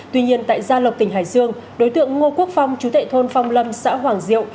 tuy nhiên tại gia lộc tỉnh hải dương đối tượng ngô quốc phong chú tệ thôn phong lâm xã hoàng diệu